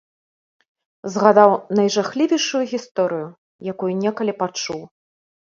Згадаў найжахлівейшую гісторыю, якую некалі пачуў.